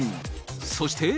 そして。